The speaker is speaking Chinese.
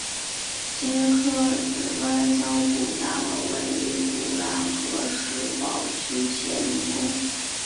捷克外交部大楼位于布拉格市城堡区切宁宫。